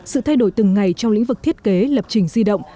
sự thay đổi từng ngày trong lĩnh vực thiết kế lập trình di động